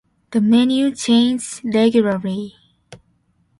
The menu changes regularly.